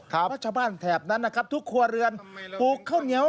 เพราะชาวบ้านแถบนั้นนะครับทุกครัวเรือนปลูกข้าวเหนียว